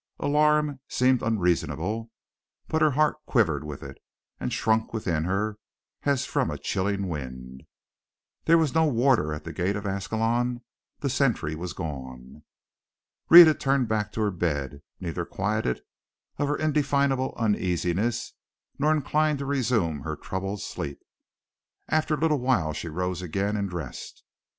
Alarm seemed unreasonable, but her heart quivered with it, and shrunk within her as from a chilling wind. There was no warder at the gate of Ascalon; the sentry was gone. Rhetta turned back to her bed, neither quieted of her indefinable uneasiness nor inclined to resume her troubled sleep. After a little while she rose again, and dressed.